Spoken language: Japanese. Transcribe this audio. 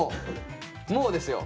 もうですよ。